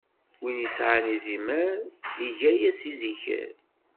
Wi isɛan izimer, iga-s iziker.